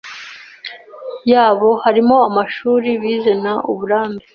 yabo harimo amashuri bize n uburambe